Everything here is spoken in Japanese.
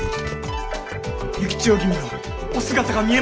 幸千代君のお姿が見えませぬ。